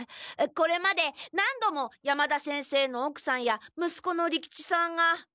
これまで何度も山田先生のおくさんやむすこの利吉さんが。